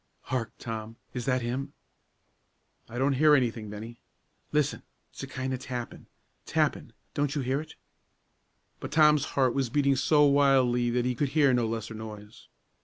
"Hark, Tom, is that him?" "I don't hear any thing, Bennie." "Listen! it's a kind o' tappin,' tappin' don't you hear it?" But Tom's heart was beating so wildly that he could hear no lesser noise.